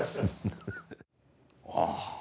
ああ。